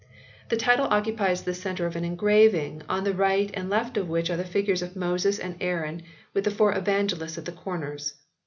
The title occupies the centre of an engraving, on the right and left of which are the figures of Moses and Aaron, with the Four Evangelists at the corners.